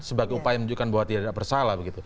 sebagai upaya menunjukkan bahwa tidak ada yang bersalah